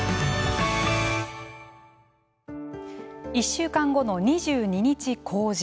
１週間後の２２日公示